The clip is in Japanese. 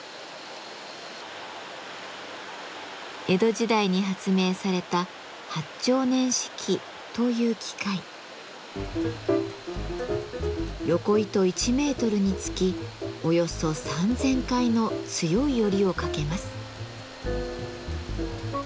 江戸時代に発明されたヨコ糸１ｍにつきおよそ３，０００回の強いヨリをかけます。